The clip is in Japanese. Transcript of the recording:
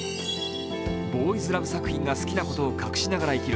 ボーイズラブ作品が好きなことを隠しながら生きる